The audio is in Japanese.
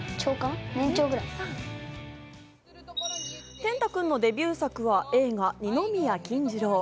天嵩君のデビュー作は映画『二宮金次郎』。